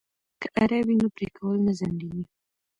که اره وي نو پرې کول نه ځنډیږي.